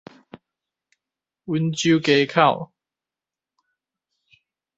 溫州街口